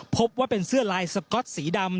พบว่าเป็นเสื้อลายสก๊อตสีดำ